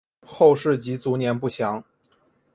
后事及卒年不详。